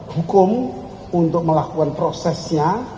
hukum untuk melakukan prosesnya